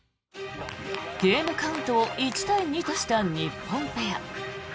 ゲームカウントを１対２とした日本ペア。